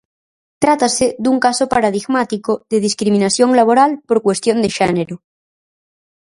Trátase dun caso paradigmático de discriminación laboral por cuestión de xénero.